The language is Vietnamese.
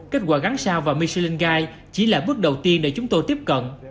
kết quả gắn sao vào michelin guide chỉ là bước đầu tiên để chúng tôi tiếp cận